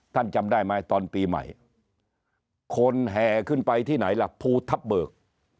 จำได้ไหมตอนปีใหม่คนแห่ขึ้นไปที่ไหนล่ะภูทับเบิก